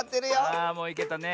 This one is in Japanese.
ああもういけたね。